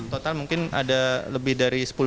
total mungkin ada lebih dari sepuluh